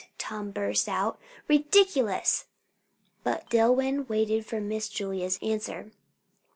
Tom burst out. "Ridiculous!" But Dillwyn waited for Miss Julia's answer.